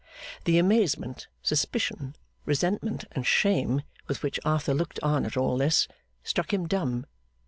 The amazement, suspicion, resentment, and shame, with which Arthur looked on at all this, struck him dumb.